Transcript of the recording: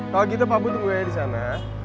kalo gitu pak budi tunggu saya disana